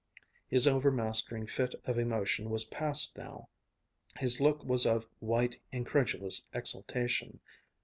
His overmastering fit of emotion was passed now. His look was of white, incredulous exaltation.